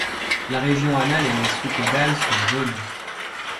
La région anale et les sous-caudales sont jaunes.